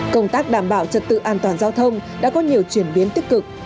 công tác đảm bảo trật tự an toàn giao thông đã có nhiều chuyển biến tích cực